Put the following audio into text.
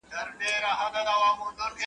ارزان بې علته نه دئ، گران بې حکمته نه دئ.